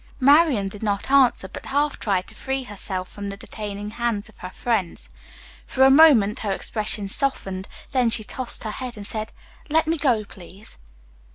Marian did not answer, but half tried to free herself from the detaining hands of her friends. For a moment her expression softened, then she tossed her head and said, "Let me go, please."